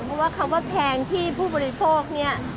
เพราะว่าคำว่าแพงที่ผู้บริโภคเนี่ย